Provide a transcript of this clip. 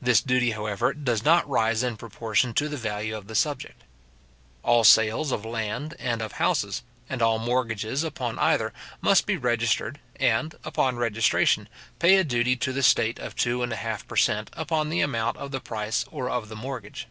This duty, however, does not rise in proportion to the value of the subject. All sales of land and of houses, and all mortgages upon either, must be registered, and, upon registration, pay a duty to the state of two and a half per cent. upon the amount of the price or of the mortgage.